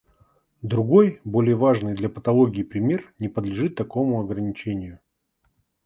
Другой более важный для патологии пример не подлежит такому ограничению.